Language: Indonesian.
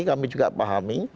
kami juga pahami